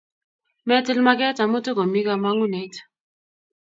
metil maket amu tokomi kamangunet